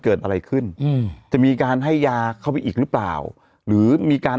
เกิดอะไรขึ้นอืมจะมีการให้ยาเข้าไปอีกหรือเปล่าหรือมีการ